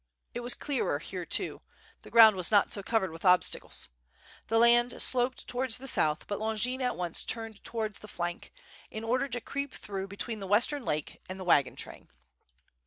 It was clearer here too, the ground was not so covered with obstacles. Th« land sloped towards the south, but Longin at once turned towards the flank, in order to creep through between the western lake and the wagon train.